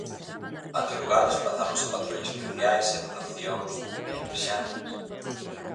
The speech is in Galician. Até o lugar desprazáronse patrullas policiais e dotacións de Emerxencias.